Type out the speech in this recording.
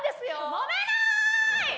もめない！